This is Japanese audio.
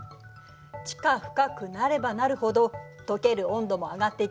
地下深くなればなるほどとける温度も上がっていくのよ。